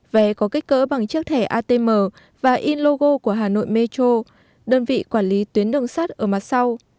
vé có kích cỡ bằng chiếc thẻ atm và in logo của hà nội metro đơn vị quản lý tuyến đường sắt ở mặt sau